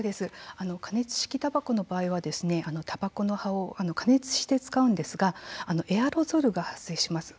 加熱式たばこの場合はたばこの葉を加熱して使うんですがエアロゾルが発生します。